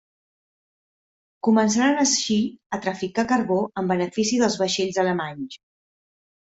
Començaran així, a traficar carbó en benefici dels vaixells alemanys.